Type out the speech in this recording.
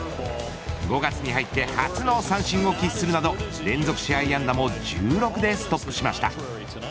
５月に入って初の三振を喫するなど連続試合安打も１６でストップしました。